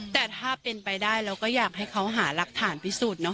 แต่ถ้าเป็นไปได้เราก็อยากให้เขาหารักฐานพิสูจน์